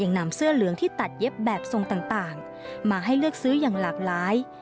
นำเสื้อเหลืองที่ตัดเย็บแบบทรงต่างมาให้เลือกซื้ออย่างหลากหลาย